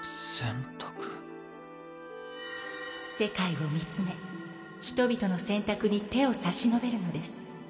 世界を見つめ人々の選択に手を差し伸べるのです。